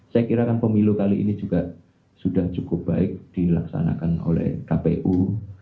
saya kira kan pemilu kali ini juga sudah cukup baik dilaksanakan oleh kpu